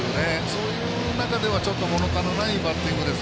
そういう中ではもの足りないバッティングです。